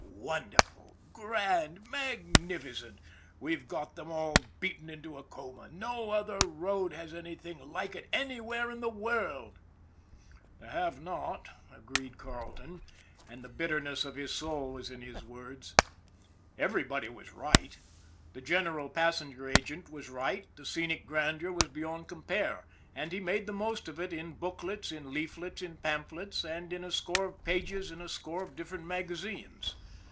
" Wonderful ! Grand ! Magnificent ! We've got them all beaten into a coma. No other road has any thing like it anywhere in the world." GUARDIAN OF THE DEVIL'S SLIDE 155 " They have not," agreed Carleton, and the bitterness of his soul was in his words. Everybody was right. The general passenger agent was right the scenic grandeur was beyond compare, and he made the most of it in booklets, in leaflets, in pamphlets, and in a score of pages in a score of different magazines.